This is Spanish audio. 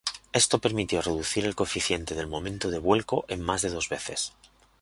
Esto permitió reducir el coeficiente del momento de vuelco en más de dos veces.